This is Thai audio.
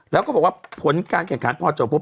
แล้วก็บอกว่าผลการแข่งขันพอจบปุ๊